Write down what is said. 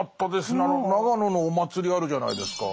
あの長野のお祭りあるじゃないですか。